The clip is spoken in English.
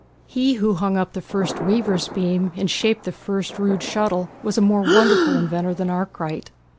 He who hung up the first weaver's beam and shaped the first rude shuttle was a more wonderful inventor than Arkwright.